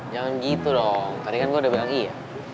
jangan gitu dong tadi kan gue udah bilang iya